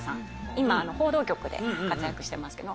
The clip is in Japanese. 今報道局で活躍してますけど。